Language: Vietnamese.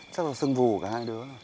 chắc là sưng vù cả hai đứa